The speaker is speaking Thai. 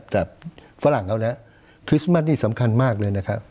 แต่ฝรั่งแล้วคริสต์มัสนี้สำคัญมากเลย